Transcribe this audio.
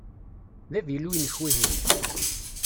D avilu-inek wihin?